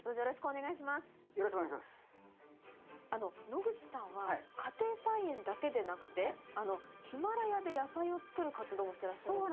野口さんは家庭菜園だけでなくてヒマラヤで野菜を作る活動もしてらっしゃるんですか？